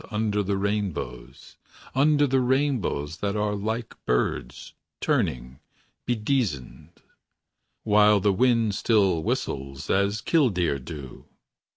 Under the rainbows; Under the rainbows That are like birds. Turning, bedizened. While the wind still whistles As kildeer do.